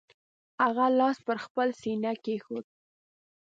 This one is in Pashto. هغه لاس پر خپله سینه کېښود.